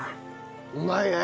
うまいね！